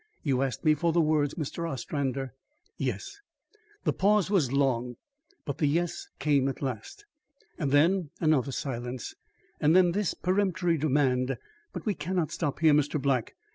You asked me for the words, Mr. Ostrander." "Yes." The pause was long, but the "Yes" came at last. Then another silence, and then this peremptory demand: "But we cannot stop here, Mr. Black.